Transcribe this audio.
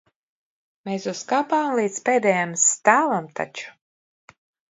Mēs uzkāpām līdz pēdējam stāvam taču.